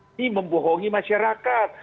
ini membohongi masyarakat